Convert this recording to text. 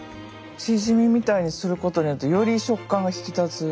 チヂミみたいにすることによってより食感が引き立つ。